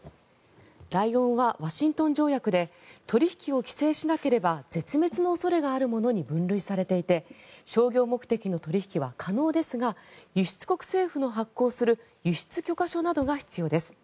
ライオンはワシントン条約で取引を規制しなければ絶滅の恐れがあるものに分類されていて商業目的の取引は可能ですが輸出国政府の発行する輸出許可書などが必要です。